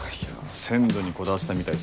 鮮度にこだわってたみたいですよ。